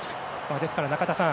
ですから、中田さん。